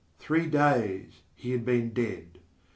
Three days he had been dead.